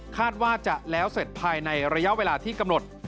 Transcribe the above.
คาดว่าจะแล้วเสร็จภายในระยะเวลาที่กำหนด